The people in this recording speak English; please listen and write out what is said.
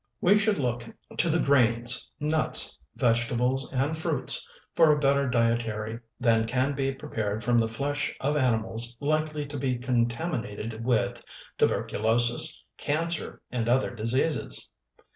We should look to the grains, nuts, vegetables, and fruits for a better dietary than can be prepared from the flesh of animals likely to be contaminated with tuberculosis, cancer, and other diseases.